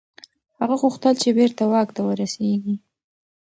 هغه غوښتل چي بیرته واک ته ورسیږي.